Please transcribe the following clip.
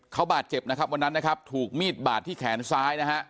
เขาบาดเจ็บวันนั้นถูกมีดบาดที่แขนซ้าย